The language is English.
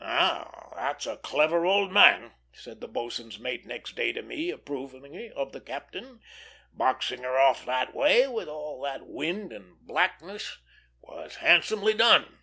"Now that's a clever old man," said the boatswain's mate next day to me, approvingly, of the captain; "boxing her off that way, with all that wind and blackness, was handsomely done."